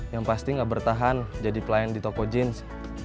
yang pasti gak bertahan jadi pelayan di toko jeans